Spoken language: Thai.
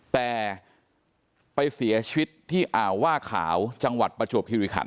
แต่ไปเสียชีวิตที่อาว่าขาวจังหวัดประชุพฤคัณ